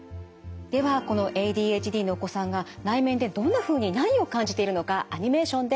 ではこのＡＤＨＤのお子さんが内面でどんなふうに何を感じているのかアニメーションでご覧ください。